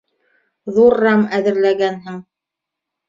Ҙур рам әҙерләгәнһең...